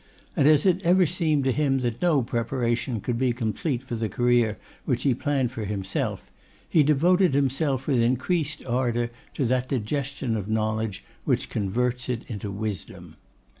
And as it ever seemed to him that no preparation could be complete for the career which he planned for himself, he devoted himself with increased ardour to that digestion of knowledge which converts it into wisdom.